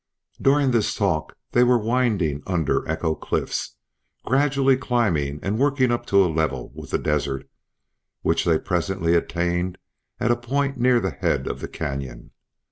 During this talk they were winding under Echo Cliffs, gradually climbing, and working up to a level with the desert, which they presently attained at a point near the head of the canyon.